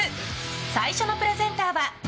最初のプレゼンターは。